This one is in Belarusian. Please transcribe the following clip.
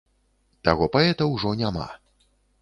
Таго паэта ўжо няма.